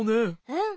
うん。